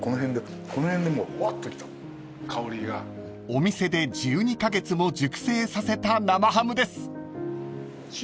［お店で１２カ月も熟成させた生ハムです］